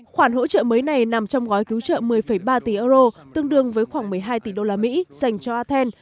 khoản hỗ trợ mới này nằm trong gói cứu trợ một mươi ba tỷ euro tương đương với khoảng một mươi hai tỷ usd dành cho athen